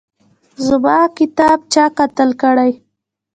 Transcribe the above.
زما کتاب چا قتل کړی